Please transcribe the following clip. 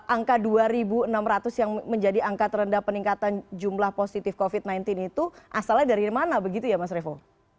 angka dua enam ratus yang menjadi angka terendah peningkatan jumlah positif covid sembilan belas itu asalnya dari mana begitu ya mas revo